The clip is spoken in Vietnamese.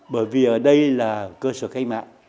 bởi vì ở đây là cơ sở khách mạng